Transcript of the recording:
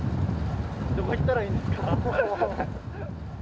どこ行ったらいいんですか？